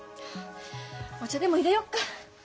お茶でもいれよっか。